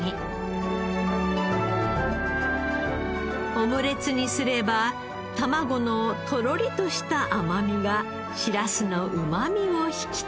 オムレツにすれば卵のとろりとした甘みがしらすのうまみを引き立てます。